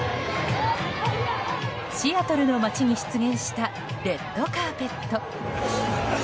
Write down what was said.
シアトルの街に出現したレッドカーペット。